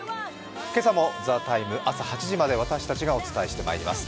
今朝も「ＴＨＥＴＩＭＥ，」朝８時まで私たちがお伝えしてまいります。